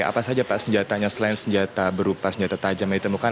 apa saja pak senjatanya selain senjata berupa senjata tajam yang ditemukan